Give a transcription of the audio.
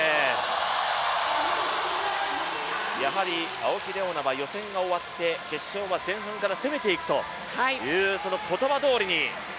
青木玲緒樹は予選が終わって、決勝は、前半から攻めていくという言葉どおりに。